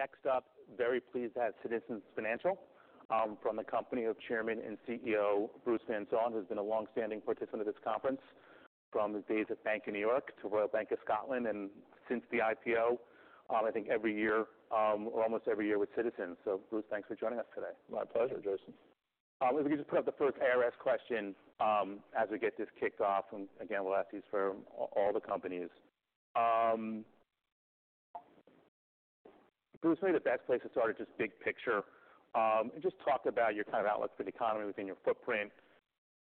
Next up, very pleased to have Citizens Financial, from the company of Chairman and CEO, Bruce Van Saun, who's been a longstanding participant of this conference from his days at Bank of New York to Royal Bank of Scotland, and since the IPO, I think every year, or almost every year with Citizens. So Bruce, thanks for joining us today. My pleasure, Jason. If we could just put up the first ARS question, as we get this kicked off, and again, we'll ask these for all the companies. Bruce, maybe the best place to start is just big picture. Just talk about your kind of outlook for the economy within your footprint.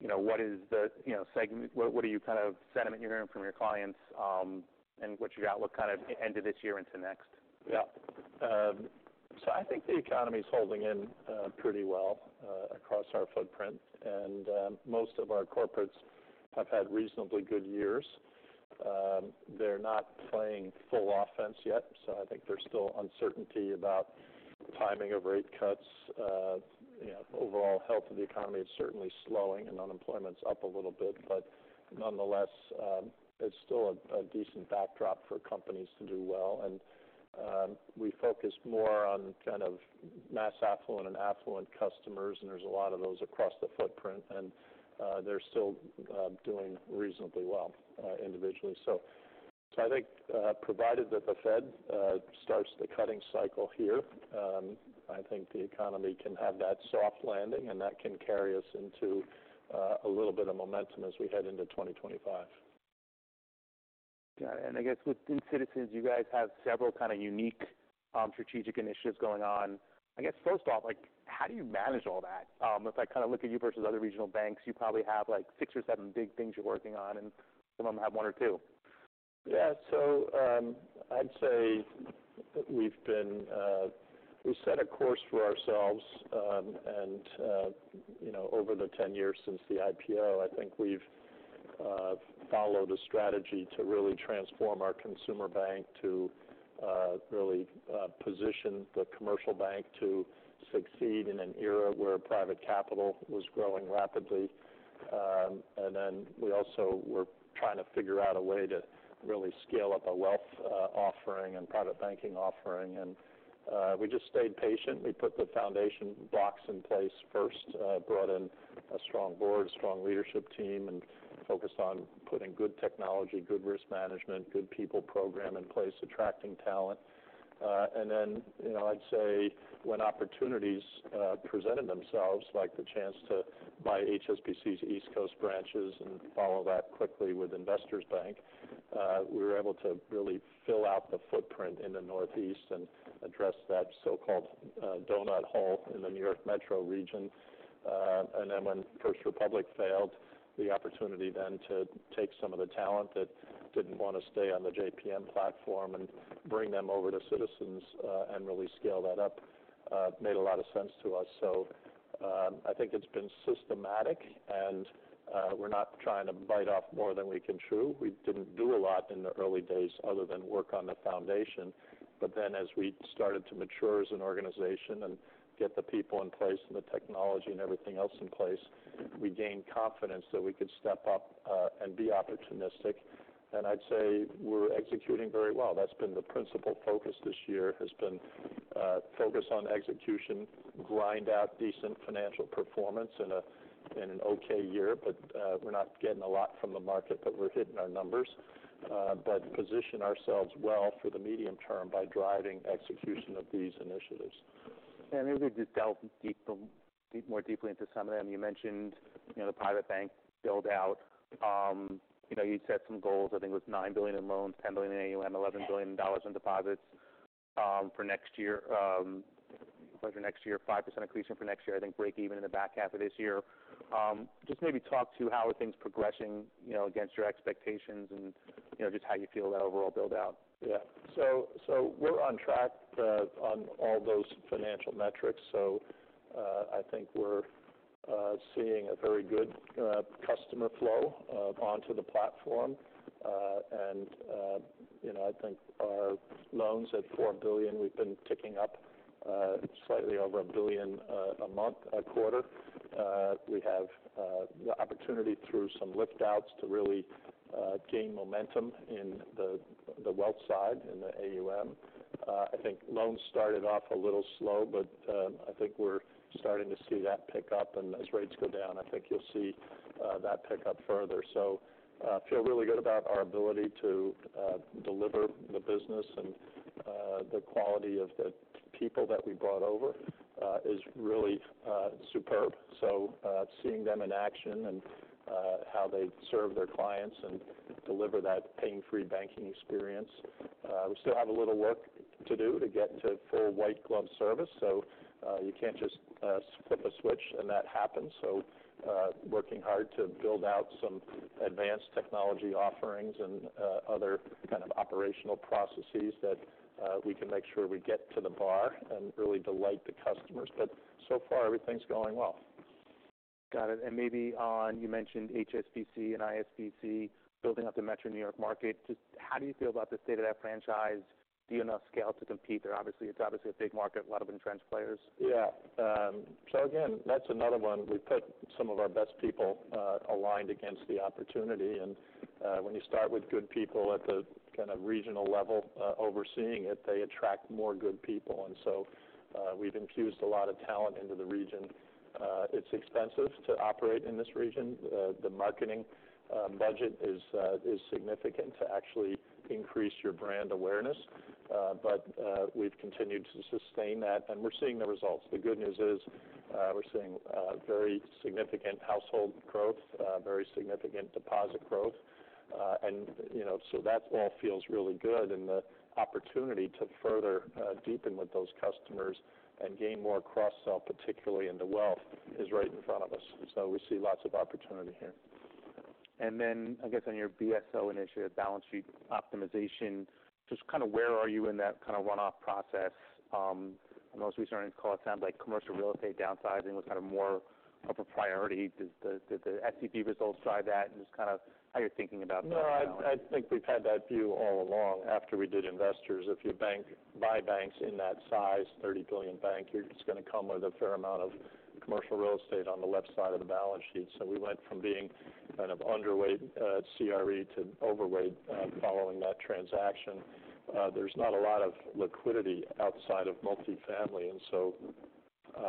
You know, what is the, you know, what kind of sentiment you're hearing from your clients, and what's your outlook kind of end of this year into next? Yeah. So I think the economy is holding in pretty well across our footprint, and most of our corporates have had reasonably good years. They're not playing full offense yet, so I think there's still uncertainty about the timing of rate cuts. You know, overall health of the economy is certainly slowing and unemployment's up a little bit, but nonetheless, it's still a decent backdrop for companies to do well, and we focus more on kind of mass affluent and affluent customers, and there's a lot of those across the footprint, and they're still doing reasonably well individually. I think, provided that the Fed starts the cutting cycle here, I think the economy can have that soft landing, and that can carry us into a little bit of momentum as we head into 2025. Got it. And I guess within Citizens, you guys have several kind of unique, strategic initiatives going on. I guess, first off, like, how do you manage all that? If I kind of look at you versus other regional banks, you probably have, like, six or seven big things you're working on, and some of them have one or two. Yeah. So, I'd say we've been. We set a course for ourselves, and, you know, over the ten years since the IPO, I think we've followed a strategy to really transform our consumer bank to really position the commercial bank to succeed in an era where private capital was growing rapidly. And then we also were trying to figure out a way to really scale up a wealth offering and private banking offering. And, we just stayed patient. We put the foundation blocks in place first, brought in a strong board, a strong leadership team, and focused on putting good technology, good risk management, good people program in place, attracting talent. And then, you know, I'd say when opportunities presented themselves, like the chance to buy HSBC's East Coast branches and follow that quickly with Investors Bank, we were able to really fill out the footprint in the Northeast and address that so-called donut hole in the New York metro region. And then when First Republic failed, the opportunity then to take some of the talent that didn't want to stay on the JPM platform and bring them over to Citizens and really scale that up made a lot of sense to us. So, I think it's been systematic, and we're not trying to bite off more than we can chew. We didn't do a lot in the early days other than work on the foundation. But then as we started to mature as an organization and get the people in place and the technology and everything else in place, we gained confidence that we could step up and be opportunistic. And I'd say we're executing very well. That's been the principal focus this year, focus on execution, grind out decent financial performance in an okay year, but we're not getting a lot from the market, but we're hitting our numbers, but position ourselves well for the medium term by driving execution of these initiatives. And maybe just delve deep, deep more deeply into some of them. You mentioned, you know, the private bank build out. You know, you set some goals. I think it was $9 billion in loans, $10 billion in AUM, $11 billion in deposits, for next year. For next year, 5% accretion for next year. I think breakeven in the back half of this year. Just maybe talk to how are things progressing, you know, against your expectations and, you know, just how you feel that overall build out? Yeah. So we're on track on all those financial metrics. So I think we're seeing a very good customer flow onto the platform. And you know, I think our loans at $4 billion. We've been ticking up slightly over $1 billion a month a quarter. We have the opportunity through some lift outs to really gain momentum in the wealth side, in the AUM. I think loans started off a little slow, but I think we're starting to see that pick up, and as rates go down, I think you'll see that pick up further. So feel really good about our ability to deliver the business and the quality of the people that we brought over is really superb. Seeing them in action and how they serve their clients and deliver that pain-free banking experience. We still have a little work to do to get to full white glove service, so you can't just flip a switch and that happens. Working hard to build out some advanced technology offerings and other kind of operational processes that we can make sure we get to the bar and really delight the customers. So far, everything's going well. ... Got it. And maybe on, you mentioned HSBC and its building up the metro New York market. Just how do you feel about the state of that franchise? Do you have enough scale to compete there? Obviously, it's obviously a big market, a lot of entrenched players. Yeah. So again, that's another one. We've put some of our best people aligned against the opportunity, and when you start with good people at the kind of regional level overseeing it, they attract more good people. And so we've infused a lot of talent into the region. It's expensive to operate in this region. The marketing budget is significant to actually increase your brand awareness. But we've continued to sustain that, and we're seeing the results. The good news is, we're seeing very significant household growth, very significant deposit growth. And you know, so that all feels really good, and the opportunity to further deepen with those customers and gain more cross-sell, particularly into wealth, is right in front of us. So we see lots of opportunity here. And then I guess on your BSO initiative, balance sheet optimization, just kind of where are you in that kind of runoff process? The most recent earnings call, it sounds like commercial real estate downsizing was kind of more of a priority. Did the SCB results drive that? And just kind of how you're thinking about that now? No, I, I think we've had that view all along after we did Investors. If you buy banks in that size, 30 billion bank, it's gonna come with a fair amount of commercial real estate on the left side of the balance sheet. So we went from being kind of underweight, CRE to overweight, following that transaction. There's not a lot of liquidity outside of multifamily, and so,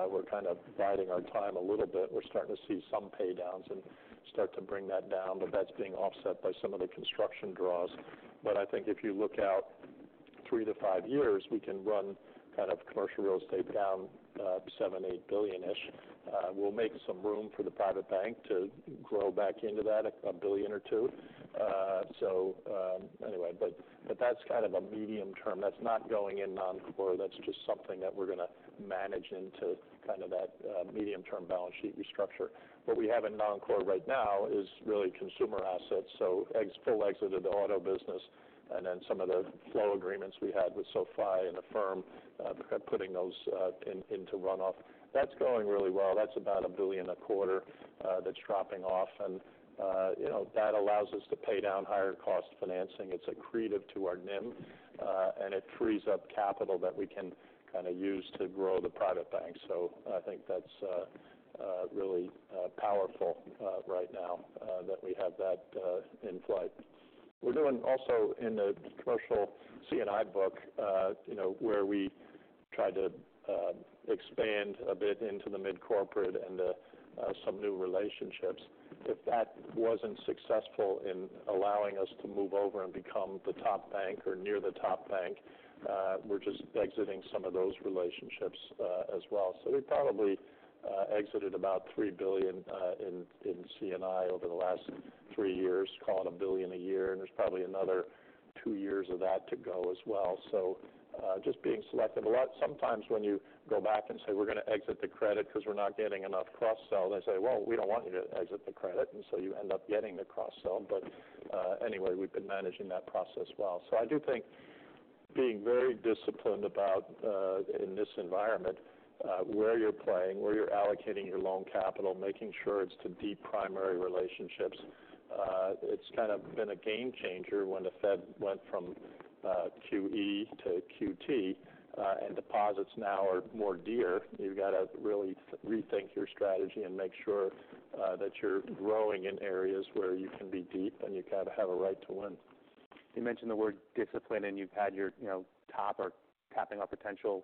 we're kind of biding our time a little bit. We're starting to see some pay downs and start to bring that down, but that's being offset by some of the construction draws. But I think if you look out three to five years, we can run kind of commercial real estate down, 7-8 billion-ish. We'll make some room for the private bank to grow back into that, a billion or two. So, anyway, that's kind of a medium-term. That's not going in non-core. That's just something that we're gonna manage into kind of that medium-term balance sheet restructure. What we have in non-core right now is really consumer assets. So fully exited the auto business, and then some of the flow agreements we had with SoFi and Affirm, putting those into runoff. That's going really well. That's about $1 billion a quarter, that's dropping off, and you know, that allows us to pay down higher-cost financing. It's accretive to our NIM, and it frees up capital that we can kind of use to grow the private bank. So I think that's really powerful right now, that we have that in flight. We're doing also in the commercial C&I book, you know, where we tried to expand a bit into the mid-corporate and some new relationships. If that wasn't successful in allowing us to move over and become the top bank or near the top bank, we're just exiting some of those relationships as well. So we probably exited about $3 billion in C&I over the last three years, call it $1 billion a year, and there's probably another two years of that to go as well. So just being selective. A lot of times, sometimes when you go back and say: "We're gonna exit the credit because we're not getting enough cross-sell," they say, "Well, we don't want you to exit the credit," and so you end up getting the cross-sell. But anyway, we've been managing that process well. So I do think being very disciplined about in this environment where you're playing where you're allocating your loan capital making sure it's to deep primary relationships. It's kind of been a game changer when the Fed went from QE to QT and deposits now are more dear. You've got to really rethink your strategy and make sure that you're growing in areas where you can be deep and you kind of have a right to win. You mentioned the word discipline, and you've had your, you know, TOP or Tapping Our Potential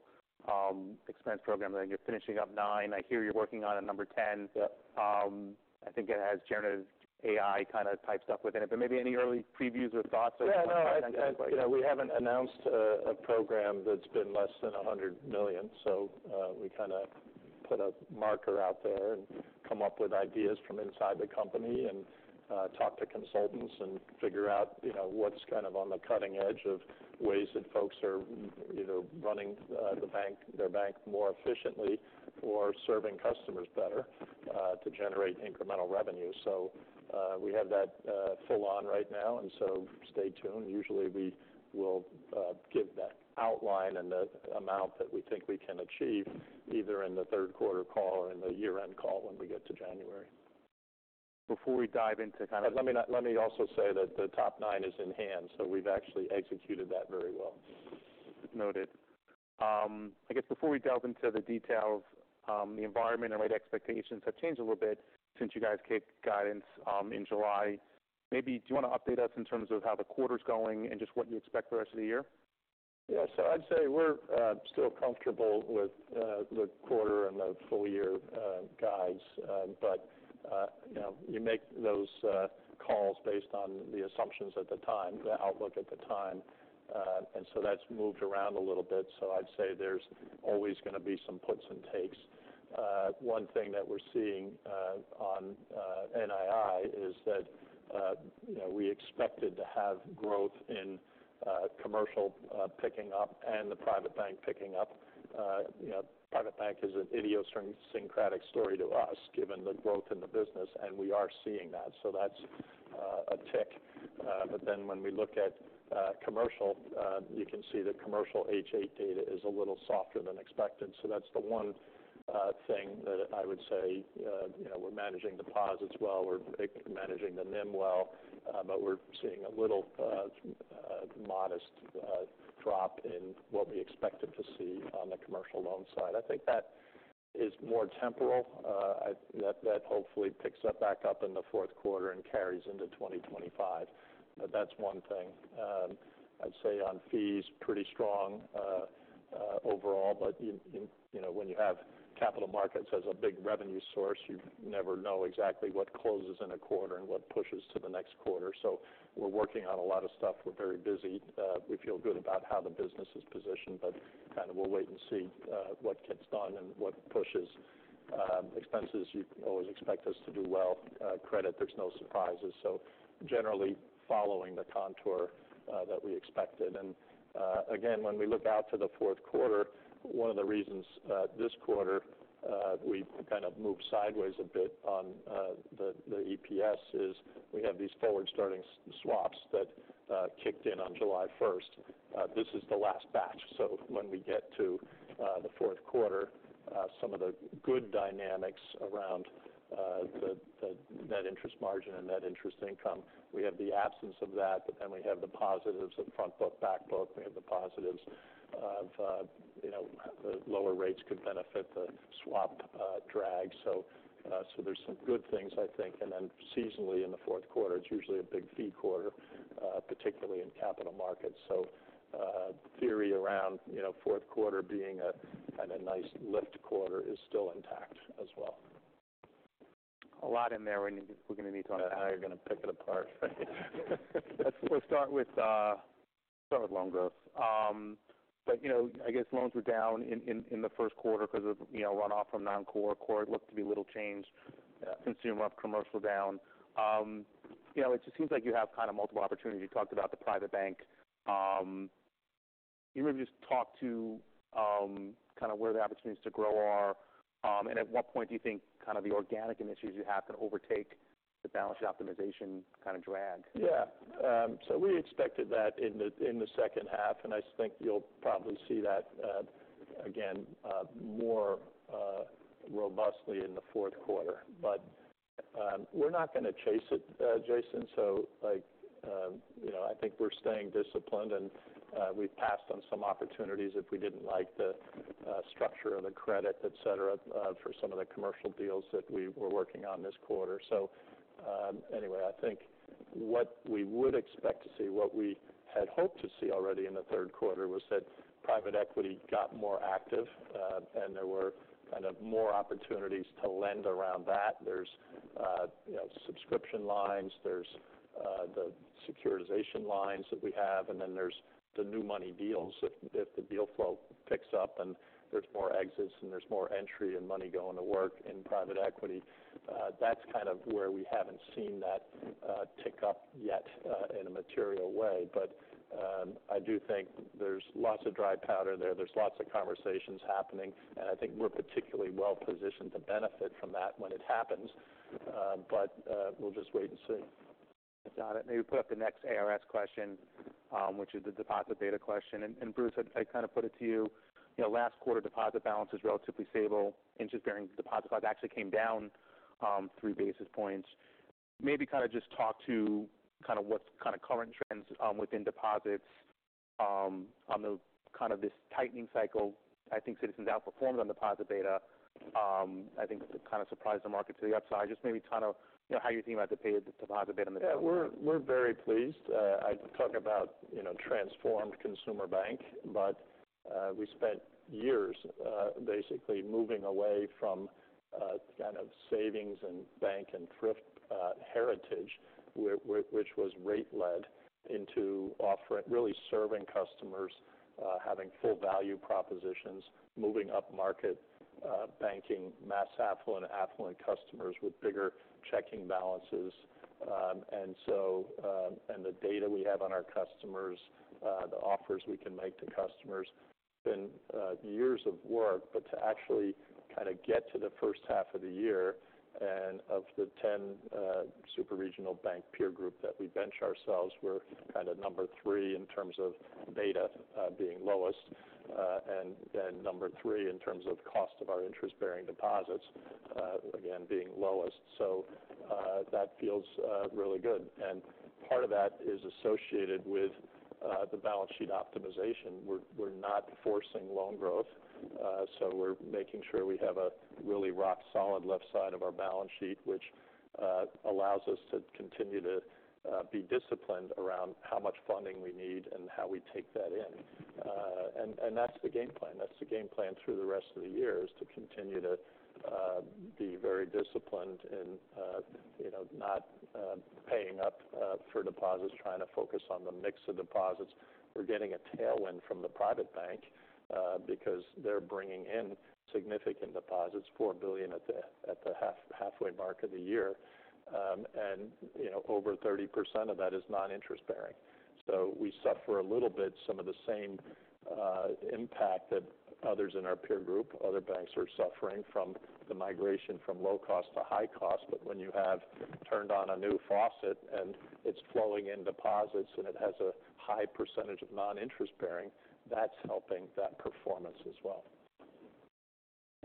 expense program, and you're finishing up nine. I hear you're working on a number ten. But I think it has generative AI kind of typed up within it. But maybe any early previews or thoughts on that? Yeah, no, you know, we haven't announced a program that's been less than 100 million, so we kind of put a marker out there and come up with ideas from inside the company and talk to consultants and figure out, you know, what's kind of on the cutting edge of ways that folks are either running the bank, their bank more efficiently or serving customers better to generate incremental revenue. So we have that full on right now, and so stay tuned. Usually, we will give that outline and the amount that we think we can achieve either in the third quarter call or in the year-end call when we get to January. Before we dive into. Let me also say that the TOP 9 is in hand, so we've actually executed that very well. Noted. I guess before we delve into the details, the environment and rate expectations have changed a little bit since you guys gave guidance, in July. Maybe do you want to update us in terms of how the quarter's going and just what you expect the rest of the year? Yeah. So I'd say we're still comfortable with the quarter and the full year guides. But you know, you make those calls based on the assumptions at the time, the outlook at the time. And so that's moved around a little bit. So I'd say there's always gonna be some puts and takes. One thing that we're seeing on NII is that you know, we expected to have growth in commercial picking up and the private bank picking up. You know, private bank is an idiosyncratic story to us, given the growth in the business, and we are seeing that. So that's a tick. But then when we look at commercial, you can see that commercial H8 data is a little softer than expected. So that's the one thing that I would say, you know, we're managing deposits well, we're managing the NIM well, but we're seeing a little modest drop in what we expected to see on the commercial loan side. I think that is more temporal. That hopefully picks up back up in the fourth quarter and carries into 2025. But that's one thing. I'd say on fees, pretty strong overall, but you know, when you have capital markets as a big revenue source, you never know exactly what closes in a quarter and what pushes to the next quarter. So we're working on a lot of stuff. We're very busy. We feel good about how the business is positioned, but kind of we'll wait and see what gets done and what pushes. Expenses, you can always expect us to do well. Credit, there's no surprises. So generally, following the contour that we expected. And again, when we look out to the fourth quarter, one of the reasons this quarter we kind of moved sideways a bit on the EPS is we have these forward starting swaps that kicked in on July 1st. This is the last batch. So when we get to the fourth quarter, some of the good dynamics around the net interest margin and net interest income, we have the absence of that, but then we have the positives of front book, back book. We have the positives of, you know, the lower rates could benefit the swap drag. So there's some good things, I think. And then seasonally, in the fourth quarter, it's usually a big fee quarter, particularly in capital markets. So, theory around, you know, fourth quarter being a, kind of nice lift quarter is still intact as well. A lot in there, and we're going to need to how you're going to pick it apart. Let's, we'll start with start with loan growth. But, you know, I guess loans were down in the first quarter because of, you know, runoff from non-core. Core looked to be little changed, consumer up, commercial down. You know, it just seems like you have kind of multiple opportunities. You talked about the private bank. Maybe just talk to kind of where the opportunities to grow are, and at what point do you think kind of the organic initiatives you have can overtake the balance optimization kind of drag? Yeah. So we expected that in the, in the second half, and I think you'll probably see that, again, more robustly in the fourth quarter. But, we're not going to chase it, Jason. So like, you know, I think we're staying disciplined, and, we've passed on some opportunities if we didn't like the, structure of the credit, et cetera, for some of the commercial deals that we were working on this quarter. So, anyway, I think what we would expect to see, what we had hoped to see already in the third quarter was that private equity got more active, and there were kind of more opportunities to lend around that. There's, you know, subscription lines, there's, the securitization lines that we have, and then there's the new money deals. If the deal flow picks up and there's more exits and there's more entry and money going to work in private equity, that's kind of where we haven't seen that tick up yet in a material way. But I do think there's lots of dry powder there. There's lots of conversations happening, and I think we're particularly well positioned to benefit from that when it happens. But we'll just wait and see. Got it. Maybe put up the next ARS question, which is the deposit beta question. And Bruce, I kind of put it to you. You know, last quarter, deposit balance is relatively stable. Interest-bearing deposit balance actually came down three basis points. Maybe kind of just talk to kind of what's kind of current trends within deposits on the kind of this tightening cycle. I think Citizens outperformed on deposit beta. I think it kind of surprised the market to the upside. Just maybe kind of, you know, how you think about the beta, deposit beta in the coming quarter. Yeah, we're very pleased. I talk about, you know, transformed consumer bank, but we spent years basically moving away from kind of savings and bank and thrift heritage, which was rate-led, into really serving customers, having full value propositions, moving up market, banking mass affluent, affluent customers with bigger checking balances, and so and the data we have on our customers, the offers we can make to customers been years of work, but to actually kind of get to the first half of the year, and of the 10 superregional bank peer group that we benchmark ourselves, we're kind of number three in terms of beta, being lowest, and then number three in terms of cost of our interest-bearing deposits, again, being lowest, so that feels really good. And part of that is associated with the balance sheet optimization. We're not forcing loan growth, so we're making sure we have a really rock solid left side of our balance sheet, which allows us to continue to be disciplined around how much funding we need and how we take that in. And that's the game plan. That's the game plan through the rest of the year, is to continue to be very disciplined and, you know, not paying up for deposits, trying to focus on the mix of deposits. We're getting a tailwind from the private bank because they're bringing in significant deposits, $4 billion at the halfway mark of the year. And, you know, over 30% of that is non-interest bearing. So we suffer a little bit some of the same impact that others in our peer group, other banks are suffering from the migration from low cost to high cost. But when you have turned on a new faucet and it's flowing in deposits, and it has a high percentage of non-interest-bearing, that's helping that performance as well.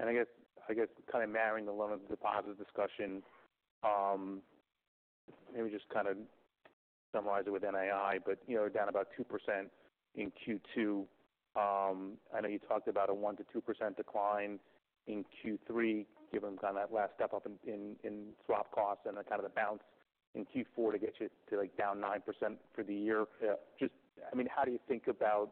I guess kind of marrying the loan and deposit discussion, maybe just kind of summarize it with NIM, but you know, down about 2% in Q2. I know you talked about a 1%-2% decline in Q3, given kind of that last step up in swap costs and then kind of the bounce in Q4 to get you to, like, down 9% for the year. Yeah. Just, I mean, how do you think about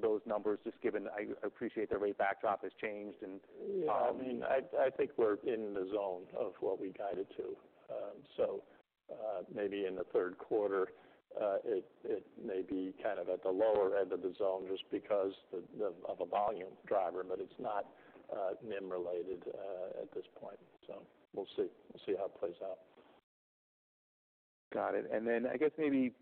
those numbers, just given - I appreciate the rate backdrop has changed and, Yeah, I mean, I think we're in the zone of what we guided to. So, maybe in the third quarter, it may be kind of at the lower end of the zone just because of the volume driver, but it's not NIM related at this point. So we'll see. We'll see how it plays out. Got it. And then I guess maybe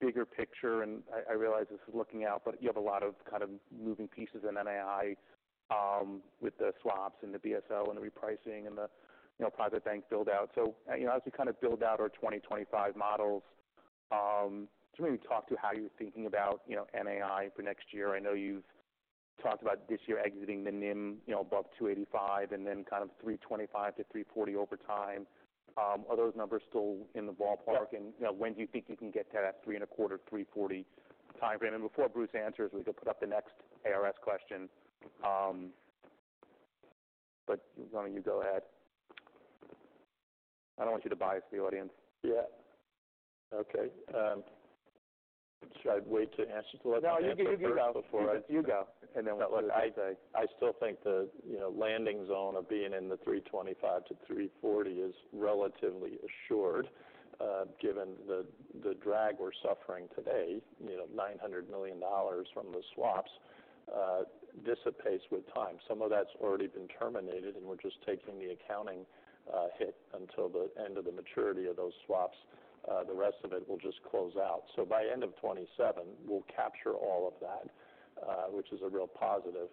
bigger picture, and I realize this is looking out, but you have a lot of kind of moving pieces in NII, with the swaps and the BSO and the repricing and the, you know, private bank build-out. So, you know, as we kind of build out our 2025 models, just maybe talk to how you're thinking about, you know, NII for next year. I know you've talked about this year exiting the NIM, you know, above 285 and then kind of 325 to 340 over time. Are those numbers still in the ballpark? Yeah. You know, when do you think you can get to that three and a quarter, three forty timeframe? Before Bruce answers, we could put up the next ARS question. But why don't you go ahead? I don't want you to bias the audience. Yeah. Okay, should I wait to answer to let you answer first? No, you go. Before I- You go, and then we'll see what you say. I still think the, you know, landing zone of being in the 3.25-3.40 is relatively assured, given the drag we're suffering today. You know, $900 million from the swaps dissipates with time. Some of that's already been terminated, and we're just taking the accounting hit until the end of the maturity of those swaps. The rest of it will just close out. So by end of 2027, we'll capture all of that, which is a real positive.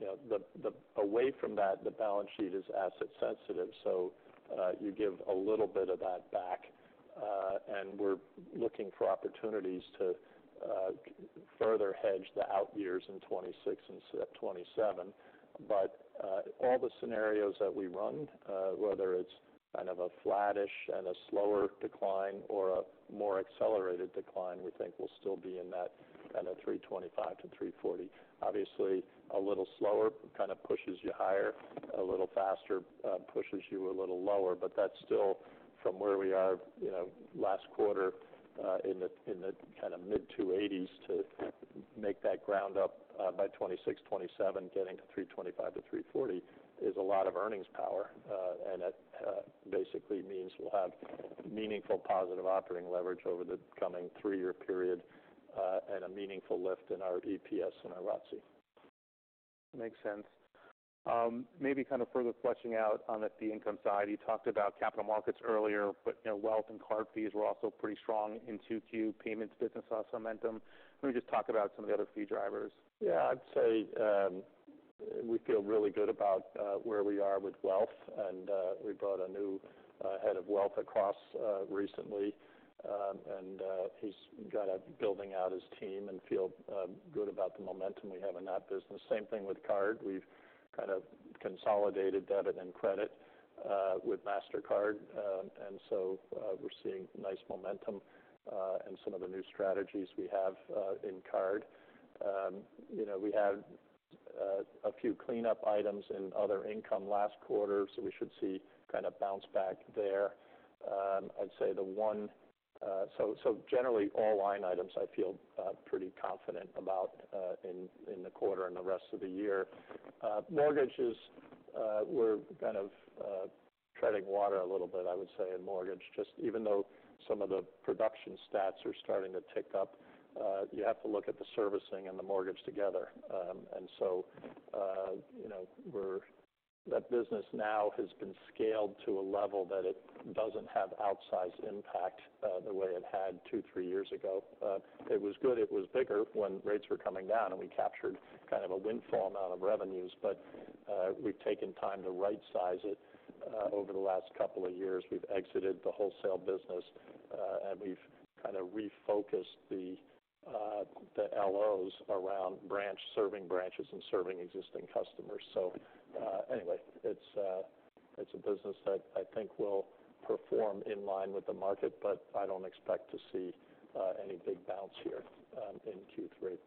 You know, away from that, the balance sheet is asset sensitive, so you give a little bit of that back. And we're looking for opportunities to further hedge the out years in 2026 and 2027. But all the scenarios that we run, whether it's kind of a flattish and a slower decline or a more accelerated decline, we think we'll still be in that kind of $3.25-$3.40. Obviously, a little slower kind of pushes you higher, a little faster pushes you a little lower. But that's still from where we are, you know, last quarter in the kind of mid-$2.80s to make that ground up by 2026, 2027, getting to $3.25-$3.40 is a lot of earnings power. And that basically means we'll have meaningful positive operating leverage over the coming three-year period and a meaningful lift in our EPS and our ROTCE. Makes sense. Maybe kind of further fleshing out on the fee income side. You talked about capital markets earlier, but you know, wealth and card fees were also pretty strong in 2Q. Payments business saw momentum. Let me just talk about some of the other fee drivers. Yeah, I'd say, we feel really good about where we are with wealth, and we brought a new head of wealth across recently. And he's got a building out his team and feel good about the momentum we have in that business. Same thing with card. We've kind of consolidated debit and credit with Mastercard, and so we're seeing nice momentum in some of the new strategies we have in card. You know, we had a few cleanup items and other income last quarter, so we should see kind of bounce back there. I'd say the one... So, so generally, all line items I feel pretty confident about in the quarter and the rest of the year. Mortgages, we're kind of treading water a little bit, I would say, in mortgage. Just even though some of the production stats are starting to tick up, you have to look at the servicing and the mortgage together. And so, you know, that business now has been scaled to a level that it doesn't have outsized impact, the way it had two, three years ago. It was good. It was bigger when rates were coming down, and we captured kind of a windfall amount of revenues, but, we've taken time to rightsize it. Over the last couple of years, we've exited the wholesale business, and we've kind of refocused the LOs around branch, serving branches and serving existing customers. Anyway, it's a business that I think will perform in line with the market, but I don't expect to see any big bounce here in Q3.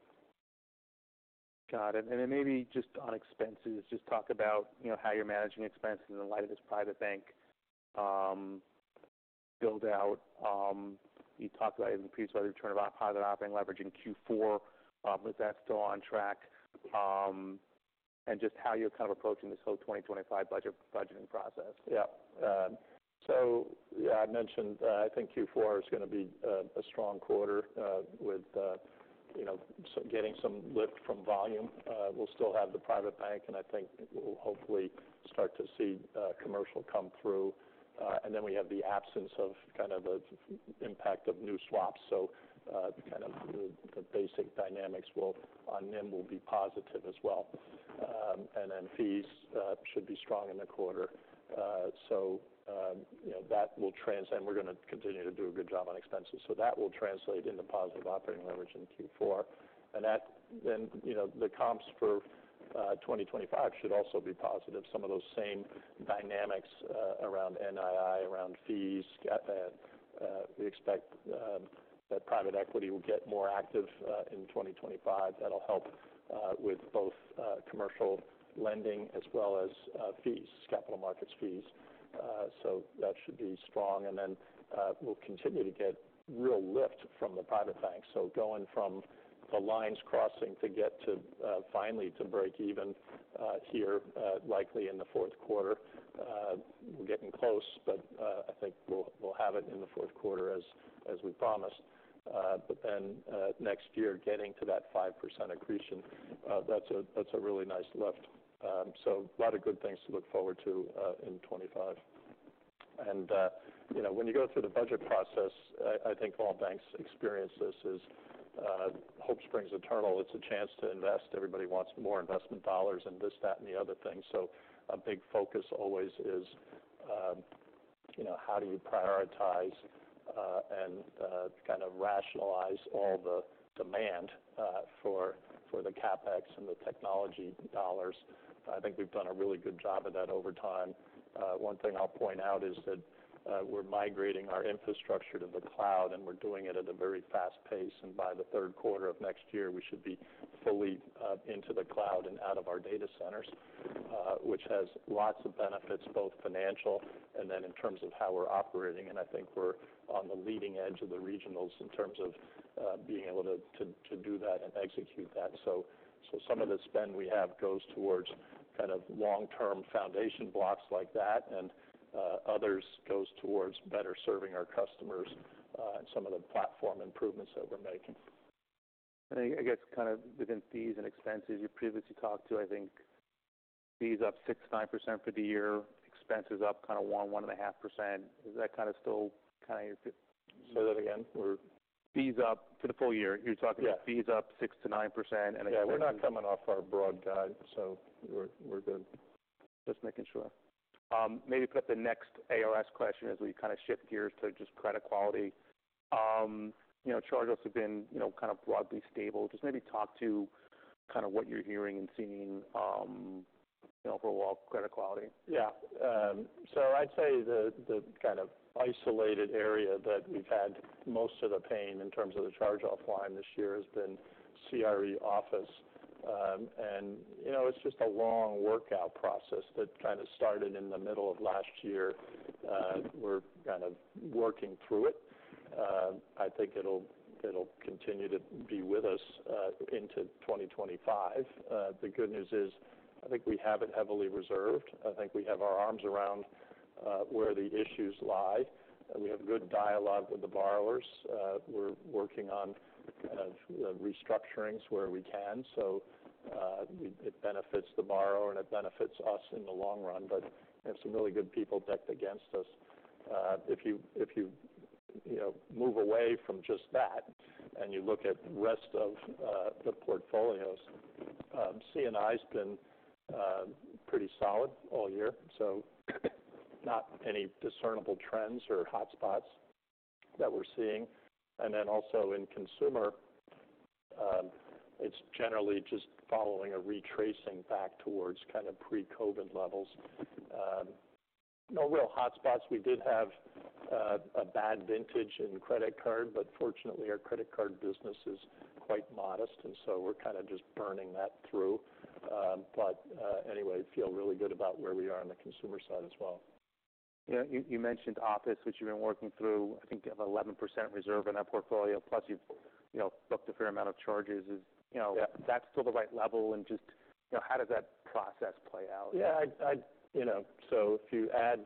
Got it. And then maybe just on expenses, just talk about, you know, how you're managing expenses in light of this private bank build out. You talked about the return about private operating leverage in Q4. Is that still on track? And just how you're kind of approaching this whole 2025 budgeting process. Yeah. So yeah, I mentioned, I think Q4 is gonna be a strong quarter, with, you know, so getting some lift from volume. We'll still have the private bank, and I think we'll hopefully start to see, commercial come through. And then we have the absence of kind of a impact of new swaps. So, kind of the basic dynamics will, on NIM will be positive as well. And then fees should be strong in the quarter. So, you know, and we're gonna continue to do a good job on expenses. So that will translate into positive operating leverage in Q4. And that then, you know, the comps for 2025 should also be positive. Some of those same dynamics around NII, around fees. We expect that private equity will get more active in 2025. That'll help with both commercial lending as well as fees, capital markets fees, so that should be strong, and then we'll continue to get real lift from the private bank, so going from the lines crossing to get to finally to break even here likely in the fourth quarter. We're getting close, but I think we'll have it in the fourth quarter as we promised, but then next year, getting to that 5% accretion, that's a really nice lift, so a lot of good things to look forward to in 2025. You know, when you go through the budget process, I think all banks experience this is hope springs eternal. It's a chance to invest. Everybody wants more investment dollars and this, that, and the other thing. A big focus always is you know, how do you prioritize and kind of rationalize all the demand for the CapEx and the technology dollars? I think we've done a really good job of that over time. One thing I'll point out is that we're migrating our infrastructure to the cloud, and we're doing it at a very fast pace, and by the third quarter of next year, we should be fully into the cloud and out of our data centers, which has lots of benefits, both financial and then in terms of how we're operating. I think we're on the leading edge of the regionals in terms of being able to do that and execute that. So some of the spend we have goes towards kind of long-term foundation blocks like that, and others goes towards better serving our customers and some of the platform improvements that we're making. I guess kind of within fees and expenses, you previously talked to, I think, fees up 6%-9% for the year, expenses up kind of 1%-1.5%. Is that kind of still kind of your- Say that again. Fees up for the full year. Yeah. You're talking about fees up 6%-9%, and- Yeah, we're not coming off our broad guide, so we're, we're good. Just making sure. Maybe put up the next ARS question as we kind of shift gears to just credit quality. You know, charge-offs have been, you know, kind of broadly stable. Just maybe talk to kind of what you're hearing and seeing, you know, overall credit quality. Yeah. So I'd say the kind of isolated area that we've had most of the pain in terms of the charge-off line this year has been CRE office. And, you know, it's just a long workout process that kind of started in the middle of last year. We're kind of working through it. I think it'll continue to be with us into 2025. The good news is, I think we have it heavily reserved. I think we have our arms around where the issues lie, and we have good dialogue with the borrowers. We're working on kind of restructurings where we can, so we-- it benefits the borrower, and it benefits us in the long run. But we have some really good people dedicated against us. If you, you know, move away from just that and you look at the rest of the portfolios, C&I's been pretty solid all year, so not any discernible trends or hotspots that we're seeing, and then also in consumer, it's generally just following a retracing back towards kind of pre-COVID levels. No real hotspots. We did have a bad vintage in credit card, but fortunately, our credit card business is quite modest, and so we're kind of just burning that through, but anyway, feel really good about where we are on the consumer side as well. Yeah. You, you mentioned office, which you've been working through. I think you have 11% reserve in that portfolio, plus you've, you know, booked a fair amount of charges. Is, you know- Yeah. That still the right level? And just, you know, how does that process play out? Yeah, I'd. You know, so if you add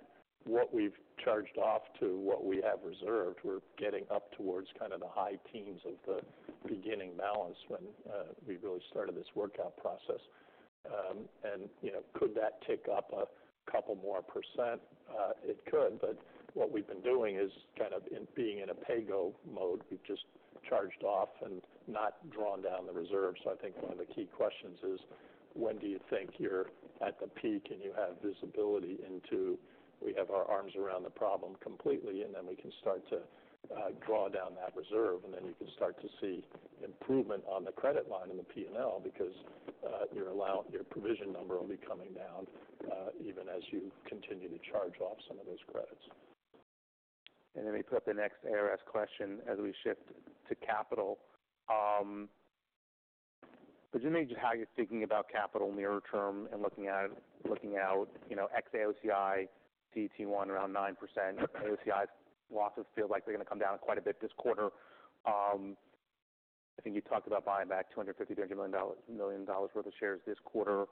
what we've charged off to what we have reserved, we're getting up towards kind of the high teens of the beginning balance when we really started this workout process. And, you know, could that tick up a couple more percent? It could, but what we've been doing is kind of being in a pay-go mode. We've just charged off and not drawn down the reserve. I think one of the key questions is, when do you think you're at the peak and you have visibility into we have our arms around the problem completely, and then we can start to draw down that reserve, and then you can start to see improvement on the credit line and the P&L because your provision number will be coming down, even as you continue to charge off some of those credits. Let me put up the next ARS question as we shift to capital. But just maybe how you're thinking about capital near term and looking out, you know, ex-AOCI, CET1 around 9%. AOCI losses feel like they're going to come down quite a bit this quarter. I think you talked about buying back $250-$300 million worth of shares this quarter.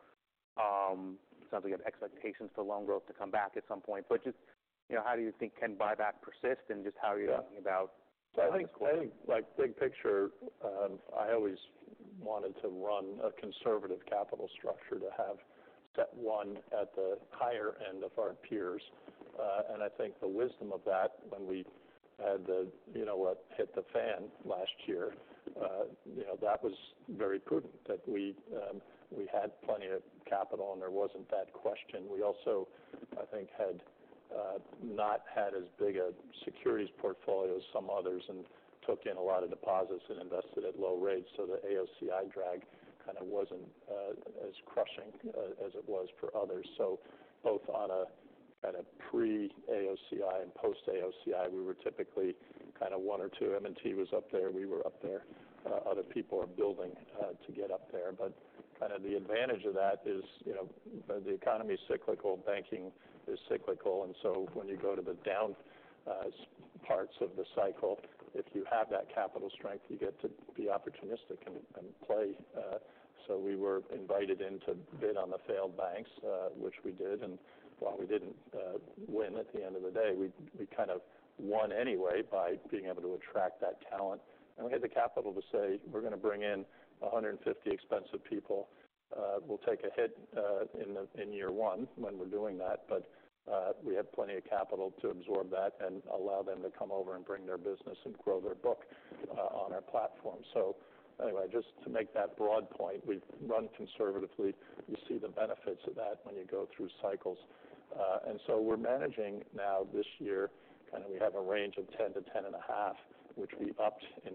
It sounds like you have expectations for loan growth to come back at some point. But just, you know, how do you think can buyback persist, and just how are you thinking about- Yeah. I think, like, big picture, I always wanted to run a conservative capital structure to have set one at the higher end of our peers. And I think the wisdom of that when we had the, you know, what hit the fan last year, you know, that was very prudent that we, we had plenty of capital, and there wasn't that question. We also, I think, had, not had as big a securities portfolio as some others and took in a lot of deposits and invested at low rates, so the AOCI drag kind of wasn't, as crushing, as it was for others. So both on a, at a pre-AOCI and post-AOCI, we were typically kind of one or two. M&T was up there, we were up there. Other people are building, to get up there. But kind of the advantage of that is, you know, the economy is cyclical, banking is cyclical, and so when you go to the down parts of the cycle, if you have that capital strength, you get to be opportunistic and play. So we were invited in to bid on the failed banks, which we did. And while we didn't win at the end of the day, we kind of won anyway by being able to attract that talent. And we had the capital to say, "We're gonna bring in a hundred and fifty expensive people. We'll take a hit in year one when we're doing that," but we had plenty of capital to absorb that and allow them to come over and bring their business and grow their book on our platform. So anyway, just to make that broad point, we've run conservatively. You see the benefits of that when you go through cycles. And so we're managing now this year, kind of we have a range of 10%-10.5%, which we upped in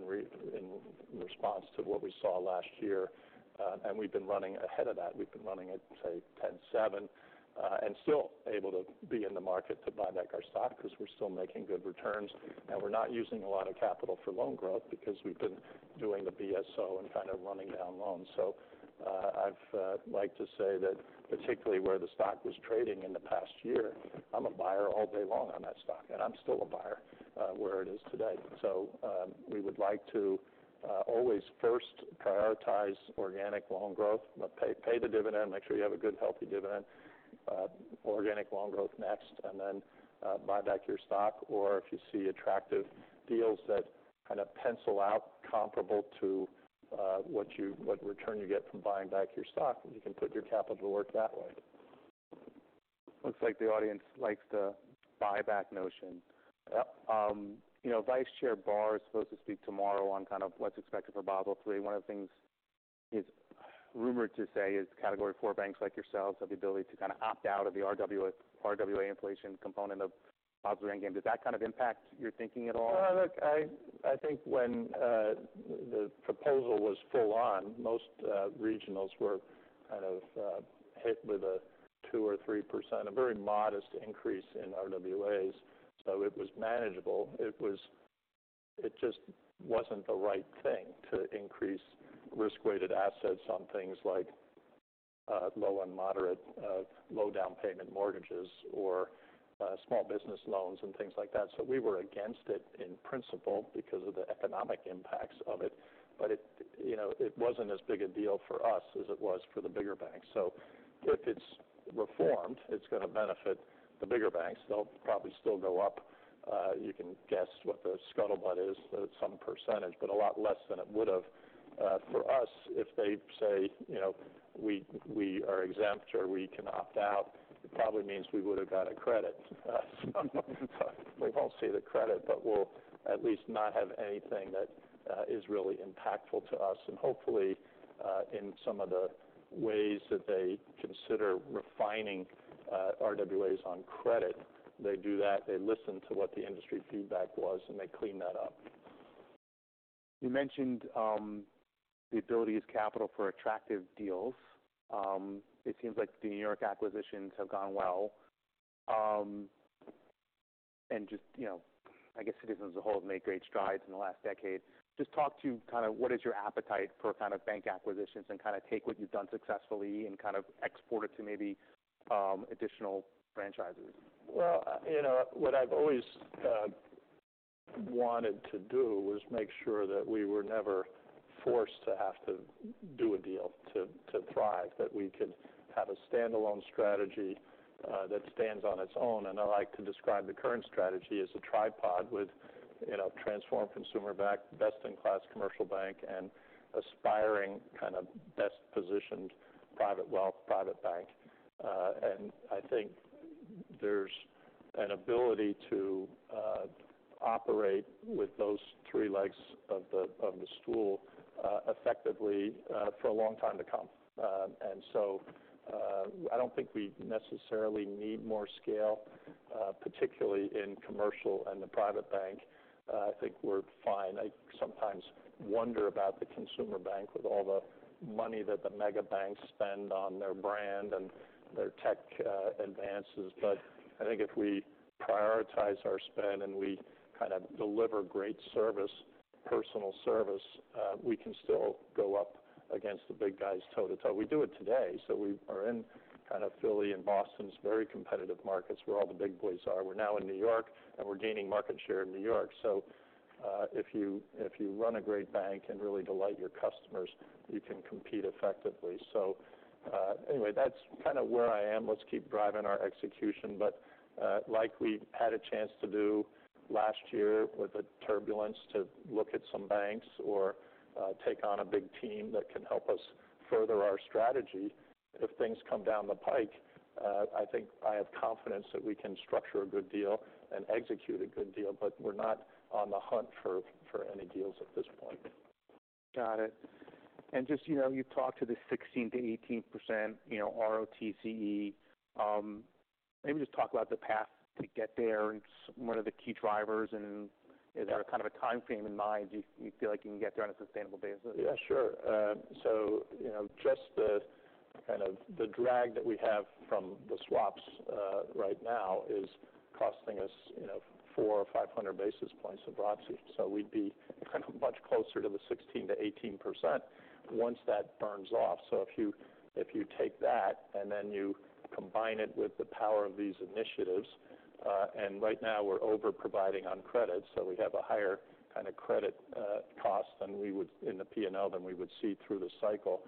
response to what we saw last year. And we've been running ahead of that. We've been running at, say, 10.7%, and still able to be in the market to buy back our stock because we're still making good returns. And we're not using a lot of capital for loan growth because we've been doing the BSO and kind of running down loans. I'd like to say that particularly where the stock was trading in the past year, I'm a buyer all day long on that stock, and I'm still a buyer where it is today. We would like to always first prioritize organic loan growth, but pay the dividend, make sure you have a good, healthy dividend. Organic loan growth next, and then buy back your stock, or if you see attractive deals that kind of pencil out comparable to what return you get from buying back your stock, you can put your capital to work that way. Looks like the audience likes the buyback notion. You know, Vice Chair Barr is supposed to speak tomorrow on kind of what's expected for Basel III. One of the things he's rumored to say is Category IV banks like yourselves have the ability to kind of opt out of the RWA inflation component of Basel Endgame. Does that kind of impact your thinking at all? Look, I think when the proposal was full on, most regionals were kind of hit with a 2% or 3%, a very modest increase in RWAs. So it was manageable. It was. It just wasn't the right thing to increase risk-weighted assets on things like low and moderate low down payment mortgages or small business loans and things like that. So we were against it in principle because of the economic impacts of it, but it, you know, it wasn't as big a deal for us as it was for the bigger banks. So if it's reformed, it's going to benefit the bigger banks. They'll probably still go up. You can guess what the scuttlebutt is, but it's some percentage, but a lot less than it would have. For us, if they say, you know, we are exempt or we can opt out, it probably means we would have got a credit. So we won't see the credit, but we'll at least not have anything that is really impactful to us, and hopefully in some of the ways that they consider refining RWAs on credit, they do that, they listen to what the industry feedback was, and they clean that up. You mentioned the ability to access capital for attractive deals. It seems like the New York acquisitions have gone well, and just, you know, I guess Citizens as a whole have made great strides in the last decade. Just talk about kind of what is your appetite for kind of bank acquisitions and kind of take what you've done successfully and kind of export it to maybe additional franchises? You know, what I've always wanted to do was make sure that we were never forced to have to do a deal to thrive, that we could have a standalone strategy that stands on its own. I like to describe the current strategy as a tripod with, you know, transformed consumer bank, best-in-class commercial bank, and aspiring kind of best-positioned private wealth, private bank. I think there's an ability to operate with those three legs of the stool effectively for a long time to come. I don't think we necessarily need more scale, particularly in commercial and the private bank. I think we're fine. I sometimes wonder about the consumer bank with all the money that the mega banks spend on their brand and their tech advances. But I think if we prioritize our spend and we kind of deliver great service, personal service, we can still go up against the big guys toe-to-toe. We do it today, so we are in kind of Philly and Boston's very competitive markets, where all the big boys are. We're now in New York, and we're gaining market share in New York. So, if you run a great bank and really delight your customers, you can compete effectively. So, anyway, that's kind of where I am. Let's keep driving our execution. But, like we had a chance to do last year with the turbulence, to look at some banks or take on a big team that can help us further our strategy. If things come down the pike, I think I have confidence that we can structure a good deal and execute a good deal, but we're not on the hunt for any deals at this point. Got it. And just, you know, you talked to the 16%-18%, you know, ROTCE. Maybe just talk about the path to get there, and what are the key drivers, and is there kind of a time frame in mind, do you feel like you can get there on a sustainable basis? Yeah, sure. So, you know, just the kind of the drag that we have from the swaps right now is costing us, you know, four or five hundred basis points of ROTCE. So we'd be kind of much closer to the 16%-18% once that burns off. So if you take that, and then you combine it with the power of these initiatives, and right now we're over-providing on credit, so we have a higher kind of credit cost than we would in the P&L, than we would see through the cycle.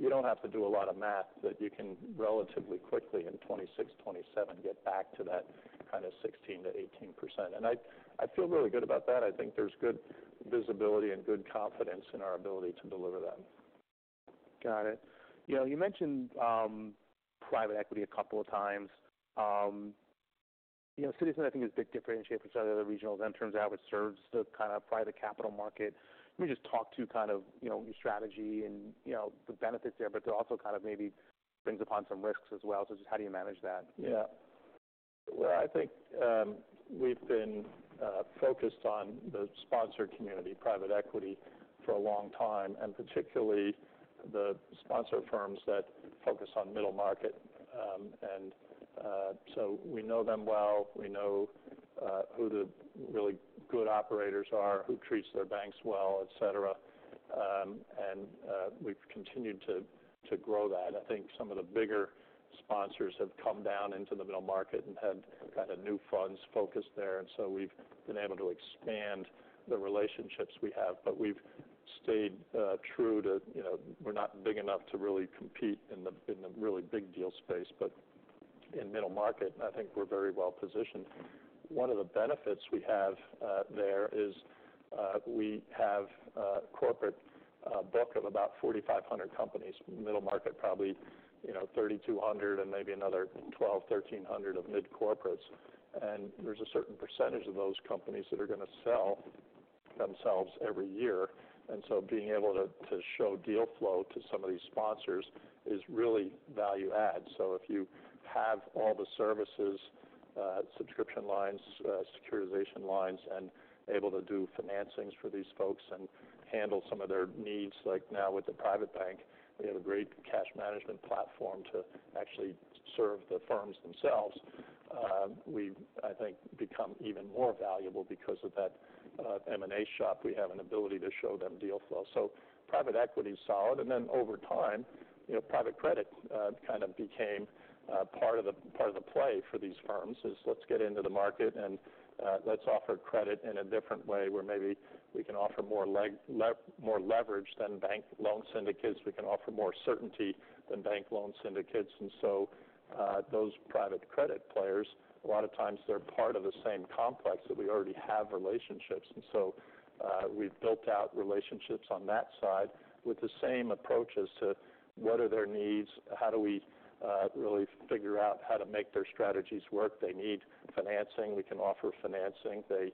You don't have to do a lot of math, but you can relatively quickly, in 2026, 2027, get back to that kind of 16%-18%. I feel really good about that. I think there's good visibility and good confidence in our ability to deliver that. Got it. You know, you mentioned, private equity a couple of times. You know, Citizens, I think, is a big differentiator for some of the regionals in terms of how it serves the kind of private capital market. Can you just talk to kind of, you know, your strategy and, you know, the benefits there, but there also kind of maybe brings upon some risks as well, so just how do you manage that? Yeah. Well, I think we've been focused on the sponsor community, private equity, for a long time, and particularly the sponsor firms that focus on middle market, and so we know them well. We know who the really good operators are, who treats their banks well, et cetera, and we've continued to grow that. I think some of the bigger sponsors have come down into the middle market and had kind of new funds focused there, and so we've been able to expand the relationships we have. But we've stayed true to. You know, we're not big enough to really compete in the really big deal space, but in middle market, I think we're very well positioned. One of the benefits we have, a corporate book of about 4,500 companies, middle market, probably, you know, 3,200, and maybe another 1,200-1,300 of mid-corporates. And there's a certain percentage of those companies that are going to sell themselves every year. And so being able to show deal flow to some of these sponsors is really value add. So if you have all the services, subscription lines, securitization lines, and able to do financings for these folks and handle some of their needs, like now with the private bank, we have a great cash management platform to actually serve the firms themselves. We, I think, become even more valuable because of that, M&A shop. We have an ability to show them deal flow. Private equity is solid, and then over time, you know, private credit kind of became part of the play for these firms. Let's get into the market, and let's offer credit in a different way, where maybe we can offer more leverage than bank loan syndicates. We can offer more certainty than bank loan syndicates. Those private credit players, a lot of times they're part of the same complex that we already have relationships. We've built out relationships on that side with the same approach as to what are their needs? How do we really figure out how to make their strategies work? They need financing. We can offer financing. They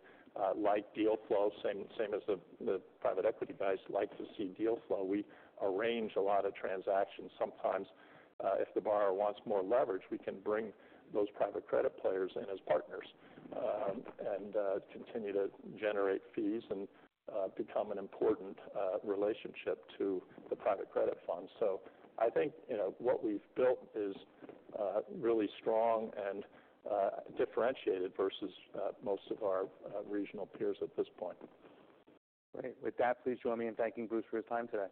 like deal flow, same as the private equity guys like to see deal flow. We arrange a lot of transactions. Sometimes, if the borrower wants more leverage, we can bring those private credit players in as partners, and continue to generate fees and become an important relationship to the private credit funds. So I think, you know, what we've built is really strong and differentiated versus most of our regional peers at this point. Great. With that, please join me in thanking Bruce for his time today.